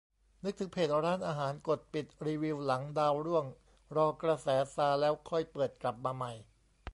นึกถึงเพจร้านอาหารกดปิดรีวิวหลังดาวร่วง รอกระแสซาแล้วค่อยเปิดกลับมาใหม่